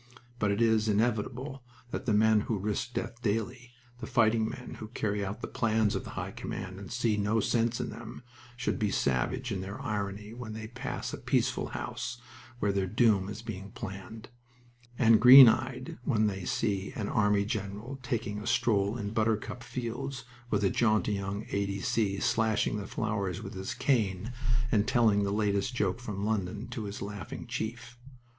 But it is inevitable that the men who risk death daily, the fighting men who carry out the plans of the High Command and see no sense in them, should be savage in their irony when they pass a peaceful house where their doom is being planned, and green eyed when they see an army general taking a stroll in buttercup fields, with a jaunty young A.D.C. slashing the flowers with his cane and telling the latest joke from London to his laughing chief.